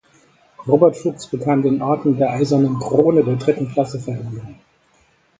Robert Fuchs bekam den Orden der Eisernen Krone der dritten Klasse verliehen.